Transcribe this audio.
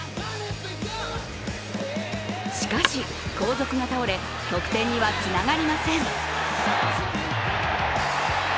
しかし後続が倒れ得点にはつながりません。